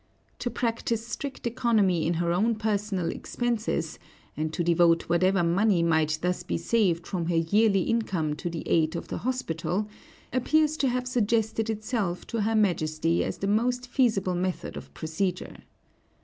To practice strict economy in her own personal expenses, and to devote whatever money might thus be saved from her yearly income to the aid of the hospital, appears to have suggested itself to her Majesty as the most feasible method of procedure.